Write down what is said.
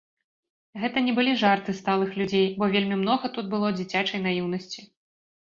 Гэта не былі жарты сталых людзей, бо вельмі многа тут было дзіцячай наіўнасці.